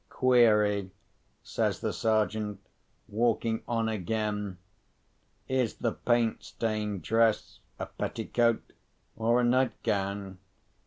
Query," says the Sergeant, walking on again, "is the paint stained dress a petticoat or a night gown?